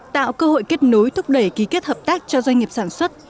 tạo cơ hội kết nối thúc đẩy ký kết hợp tác cho doanh nghiệp sản xuất